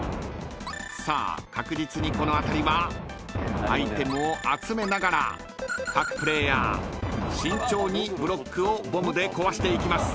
［さあ確実にこのあたりはアイテムを集めながら各プレーヤー慎重にブロックをボムで壊していきます］